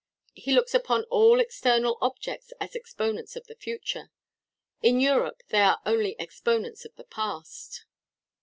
He looks upon all external objects as exponents of the future. In Europe they are only exponents of the past.